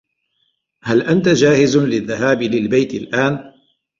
هل أنت جاهز للذهاب للبيت الآن؟